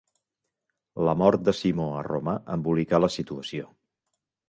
La mort de Simó a Roma embolicà la situació.